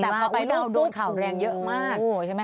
ไม่ว่าเราโดนเข่าแรงเยอะมากใช่ไหมคะโดนตุ๊ดโดนเยอะมาก